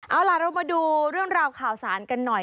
เอาล่ะเรามาดูเรื่องราวข่าวสารกันหน่อย